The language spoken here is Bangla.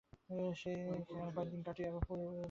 সেখানে কয়েকদিন কাটিয়ে আবার ফিরব পূর্বদিকে।